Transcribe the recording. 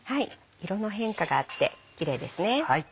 色の変化があってキレイですね。